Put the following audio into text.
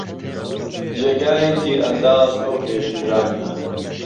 جێگای تیرئهنداز ئهو هێش و ژانیان